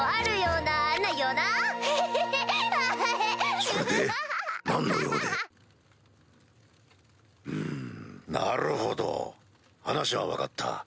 うんなるほど話は分かった。